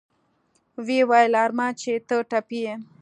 ويې ويل ارمان چې ته ټپي يې.